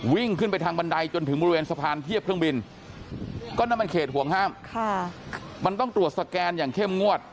วิ่งขึ้นไปทางบันไดจนถึงบริเวณสะพานเทียบเครื่องบินก็นั่นมันเขตห่วงห้ามมันต้องตรวจสแกนอย่างเข้มงวด